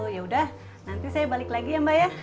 yaudah nanti saya balik lagi ya mbak ya